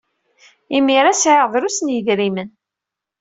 Imir-a, sɛiɣ drus n yidrimen.